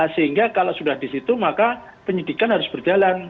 sehingga kalau sudah disitu maka penyidikan harus berjalan